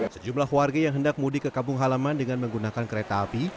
sejumlah warga yang hendak mudik ke kampung halaman dengan menggunakan kereta api